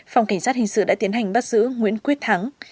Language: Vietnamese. phòng cảnh sát hình sự đã tiến hành bắt giữ nguyễn quyết thắng